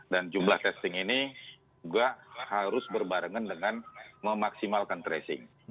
dan jumlah testing ini juga harus berbarengan dengan memaksimalkan tracing